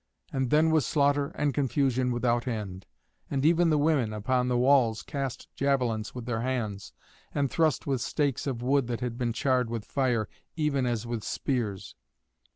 And then was slaughter and confusion without end. And even the women upon the walls cast javelins with their hands, and thrust with stakes of wood that had been charred with fire, even as with spears.